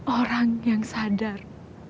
orang yang sadar